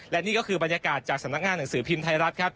และนี่ก็คือบรรยากาศจากสำนักงานหนังสือพิมพ์ไทยรัฐครับ